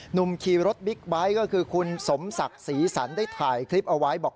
หนุ่มขี่รถบิ๊กไบท์ก็คือคุณสมศักดิ์ศรีสันได้ถ่ายคลิปเอาไว้บอก